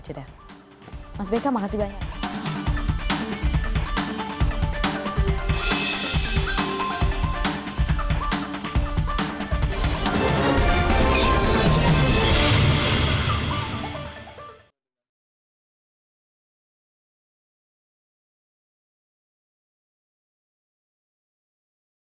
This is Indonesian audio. cedera mas beka makasih banyak